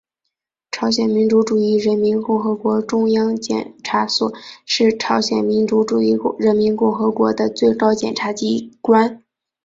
朝鲜民主主义人民共和国中央检察所是朝鲜民主主义人民共和国的最高检察机关。